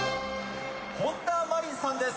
本田真凜さんです！